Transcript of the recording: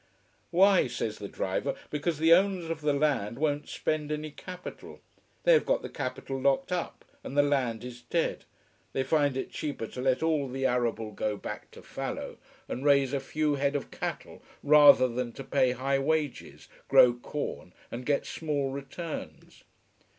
Why, says the driver, because the owners of the land won't spend any capital. They have got the capital locked up, and the land is dead. They find it cheaper to let all the arable go back to fallow, and raise a few head of cattle, rather than to pay high wages, grow corn, and get small returns.